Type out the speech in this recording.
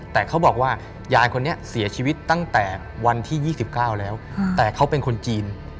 แต่เขาบอกว่ายายคนนี้เสียชีวิตตั้งแต่วันที่๒๙แล้วแต่เขาเป็นคนจีน